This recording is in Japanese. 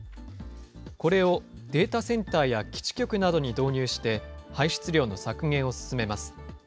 これをデータセンターや基地局などに導入して、排出量の削減を進めます。